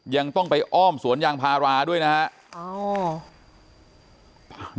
ยังต้องไปอ้อมสวนยางพาราด้วยนะฮะ